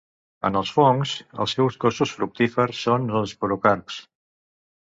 En els fongs els seus cossos fructífers són els esporocarps.